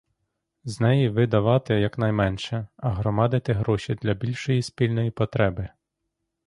З неї видавати якнайменше, а громадити гроші для більшої спільної потреби.